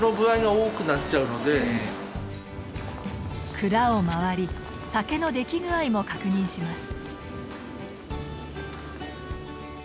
蔵を回り酒の出来具合も確認します。